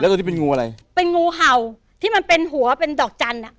ตัวนี้เป็นงูอะไรเป็นงูเห่าที่มันเป็นหัวเป็นดอกจันทร์อ่ะ